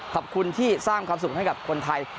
ขอบคุณที่สร้างความสุขให้กับคนไทย